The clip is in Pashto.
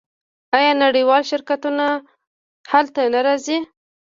آیا نړیوال شرکتونه هلته نه راځي؟